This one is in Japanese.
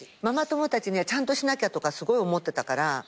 ママ友たちにはちゃんとしなきゃとかすごい思ってたから。